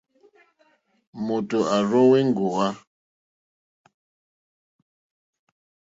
Mòtò à rzóŋwí èŋɡòwá.